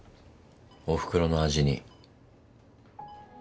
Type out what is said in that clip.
おふくろの味に。